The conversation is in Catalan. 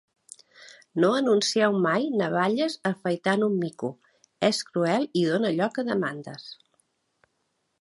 No anuncieu mai navalles afaitant un mico, és cruel i dona lloc a demandes.